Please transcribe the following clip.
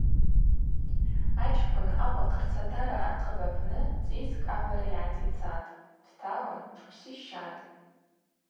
Ачкӏвын ауахъ рцатара ахъыб апны цӏискӏ агӏвара йгӏатицатӏ, дталын тшпсищатӏ.